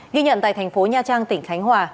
ghi nhận tại thành phố nha trang tỉnh khánh hòa